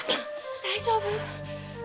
大丈夫？